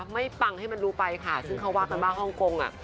ปังให้มันรู้ไปค่ะซึ่งเขาว่ากันว่าฮ่องกงอ่ะ